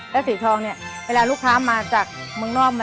แล้วสีทองเนี่ยเวลาลูกค้ามาจากเมืองนอก